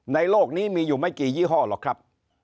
โลกนี้มีอยู่ไม่กี่ยี่ห้อหรอกครับ